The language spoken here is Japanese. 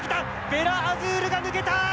ヴェラアズールが抜けた！